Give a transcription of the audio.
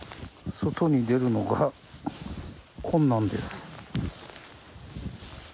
外に出るのが困難です。